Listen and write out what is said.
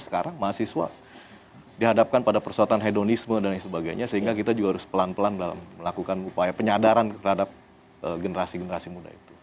sekarang mahasiswa dihadapkan pada persoalan hedonisme dan lain sebagainya sehingga kita juga harus pelan pelan dalam melakukan upaya penyadaran terhadap generasi generasi muda itu